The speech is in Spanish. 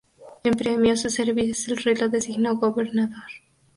En premio a sus servicios el rey lo designó gobernador.